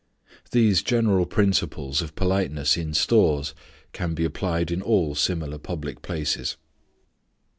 These general principles of politeness in stores can be applied in all similar public places.